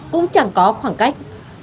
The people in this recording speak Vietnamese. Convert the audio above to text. cũng chẳng có khoảng cách